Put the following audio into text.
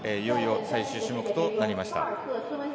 いよいよ最終種目となりました。